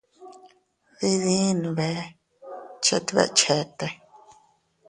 Diidin bee chet beʼe chete.